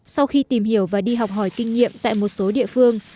sau khi tìm hiểu và đi học hỏi kinh nghiệm tại một số địa phương